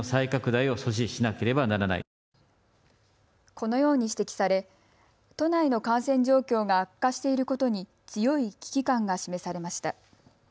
このように指摘され都内の感染状況が悪化していることに強い危機感が示されました。